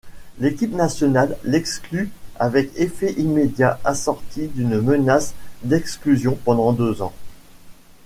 L'équipe nationale l'exclut avec effet immédiat assorti d'une menace d'exclusion pendant deux ans.